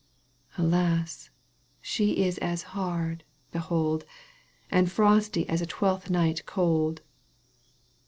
Alas ! she is as hard, behold, And frosty as a TweKth Night cold.